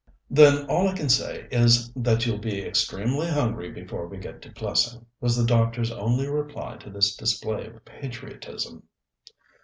"Then, all I can say is, that you'll be extremely hungry before we get to Plessing," was the doctor's only reply to this display of patriotism.